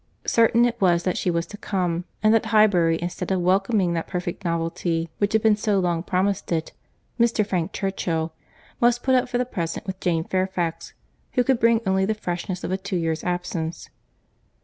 Certain it was that she was to come; and that Highbury, instead of welcoming that perfect novelty which had been so long promised it—Mr. Frank Churchill—must put up for the present with Jane Fairfax, who could bring only the freshness of a two years' absence.